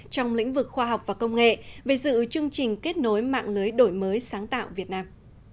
trong lĩnh vực khoa học và công nghệ về dự chương trình kết nối mạng lưới đổi mới sáng tạo việt nam